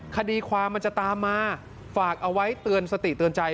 คดีความมันจะตามมาฝากเอาไว้เตือนสติเตือนใจ